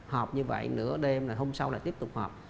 họp như vậy nửa đêm hôm sau là tiếp tục họp